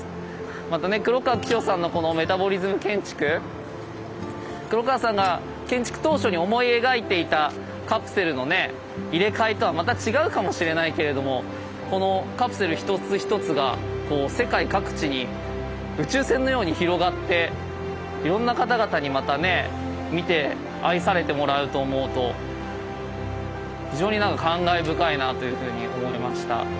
またね黒川紀章さんのこのメタボリズム建築黒川さんが建築当初に思い描いていたカプセルのね入れ替えとはまた違うかもしれないけれどもこのカプセル一つ一つが世界各地に宇宙船のように広がっていろんな方々にまたね見て愛されてもらうと思うと非常になんか感慨深いなというふうに思いました。